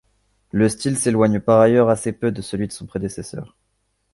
Le style s'éloigne par ailleurs assez peu de celui de son prédécesseur.